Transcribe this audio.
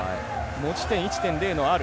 持ち点１．０のアル。